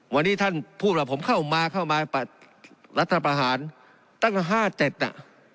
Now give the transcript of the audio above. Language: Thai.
วันนี้ท่านพูดว่าผมเข้ามาเข้ามารัฐประหารตั้งแต่๕๗น่ะ